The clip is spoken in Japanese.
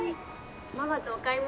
ママとお買い物？